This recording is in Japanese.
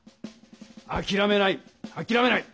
あきらめないあきらめない。